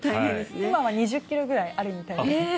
今は２０ｋｇぐらいあるみたいです。